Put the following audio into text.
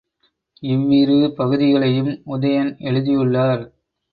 இவ்விரு பகுதிகளையும் உதயன் எழுதியுள்ளார்.